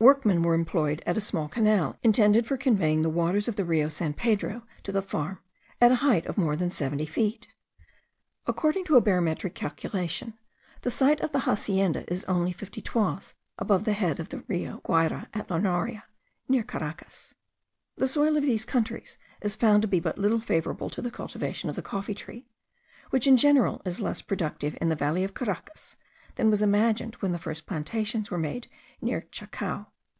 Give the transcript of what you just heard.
Workmen were employed at a small canal, intended for conveying the waters of the Rio San Pedro to the farm, at a height of more than seventy feet. According to a barometric calculation, the site of the hacienda is only fifty toises above the bed of the Rio Guayra at La Noria, near Caracas. The soil of these countries is found to be but little favourable to the cultivation of the coffee tree, which in general is less productive in the valley of Caracas than was imagined when the first plantations were made near Chacao.